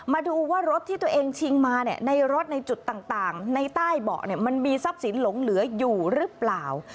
มาดูว่ารถที่ตัวเองชิงมาในรถในจุดต่างในใต้เบาะมันมีทรัพย์สินหลงเหลืออยู่หรือเปล่า